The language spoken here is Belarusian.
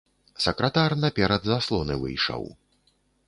Сакратар наперад заслоны выйшаў.